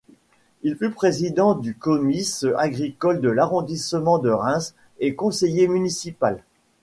Il fut président du Comice agricole de l’arrondissement de Reims et conseiller municipal.